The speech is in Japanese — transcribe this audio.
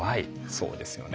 そうですよね